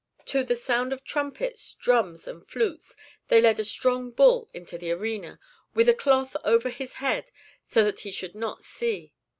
To the sound of trumpets, drums, and flutes they led a strong bull into the arena, with a cloth over his head so that he should not see.